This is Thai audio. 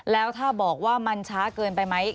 แล้วถ้าบอกว่ามันช้าเกินไปไหม